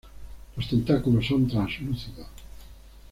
Los tentáculos son translúcidos.